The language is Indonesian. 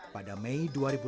pada mei dua ribu delapan belas